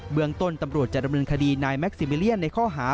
เมืองต้นตำรวจจะดำเนินคดีนายแม็กซิมิเลียนในข้อหา